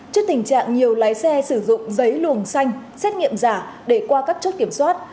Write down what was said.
trước tình trạng nhiều lái xe sử dụng giấy luồng xanh xét nghiệm giả để qua các chốt kiểm soát